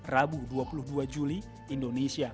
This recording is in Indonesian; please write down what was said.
rabu dua puluh dua juli indonesia